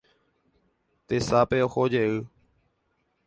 Tesape ohojey